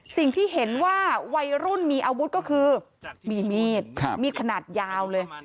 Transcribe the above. สิ่งที่เห็นว่าวัยรุ่นมีอาวุธก็คือมีมีดมีดขนาดยาวเลย